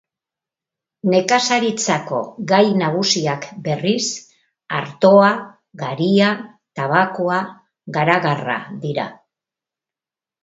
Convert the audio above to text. Nekazaritzako gai nagusiak, berriz, artoa, garia, tabakoa, garagarra dira.